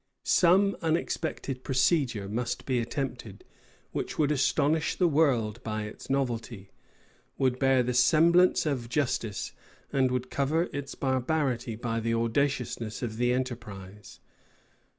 Some unexpected procedure must be attempted, which would astonish the world by its novelty, would bear the semblance of justice, and would cover its barbarity by the audaciousness of the enterprise.